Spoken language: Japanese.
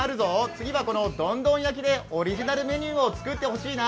次はこのどんどん焼でオリジナルメニューを作ってほしいな。